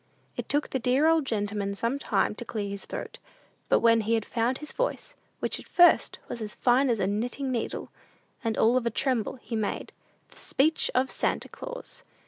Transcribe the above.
It took the dear old gentleman some time to clear his throat; but when he had found his voice, which at first was as fine as a knitting needle, and all of a tremble, he made THE SPEECH OF SANTA CLAUS.